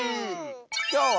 きょうは。